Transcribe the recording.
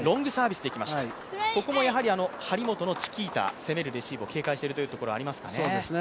ここもやはり張本のチキータ攻めるレシーブを警戒しているというところありますか。